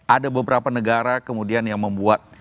ada beberapa negara kemudian yang membuat